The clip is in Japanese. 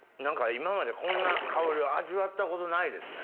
今までこんな香りを味わったことないですね。